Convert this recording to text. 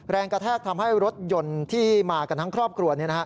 แรงกระแทกทำให้รถยนต์ที่มากันทั้งครอบครัว